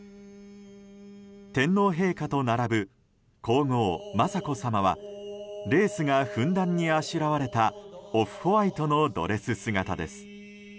天皇陛下と並ぶ皇后・雅子さまはレースがふんだんにあしらわれたオフホワイトのドレス姿です。